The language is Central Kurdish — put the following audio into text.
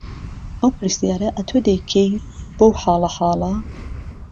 ئەو پرسیاره ئەتۆ دهیکەی بەو حاڵهحاڵه